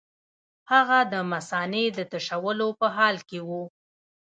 هغه د مثانې د تشولو په حال کې وو.